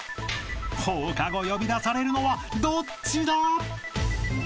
［放課後呼び出されるのはどっちだ？］